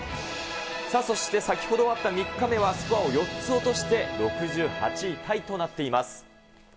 そして先ほど終わった３日目はスコアを４つ落として６８位タイとなっています。